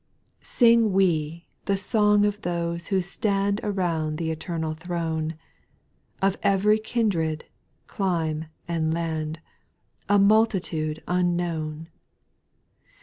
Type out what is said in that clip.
1. QING we the song of those who stand O Around th' eternal throne, Of every kindred, clime, and land, A multitude unknown.